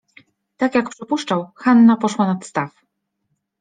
Tak jak przypuszczał, Hanna poszła nad staw.